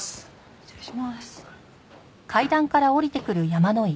失礼します。